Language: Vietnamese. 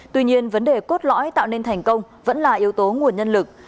tuy nhiên vấn đề cốt lõi tạo nên thành công vẫn là yếu tố nguồn nhân lực